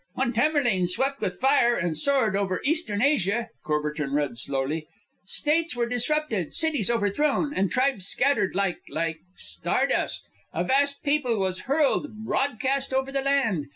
"'When Tamerlane swept with fire and sword over Eastern Asia,'" Courbertin read slowly, "'_states were disrupted, cities overthrown, and tribes scattered like like star dust. A vast people was hurled broadcast over the land.